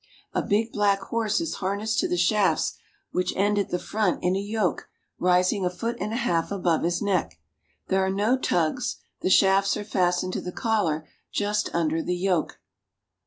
A big black horse is harnessed to the shafts, which end at the front in a yoke rising a foot and a half above his neck. There are no tugs ; the shafts are fastened to the collar just under the yoke.